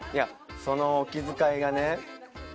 そのお気遣いがね。